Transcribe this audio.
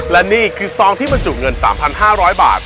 และนี่คือซองที่บรรจุเงิน๓๕๐๐บาท